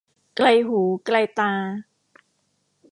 ไกลหูไกลตา